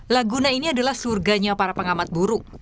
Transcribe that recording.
laguna ini adalah surganya para pengamat burung